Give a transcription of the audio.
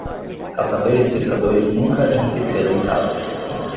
Caçadores e pescadores nunca enriqueceram em casa.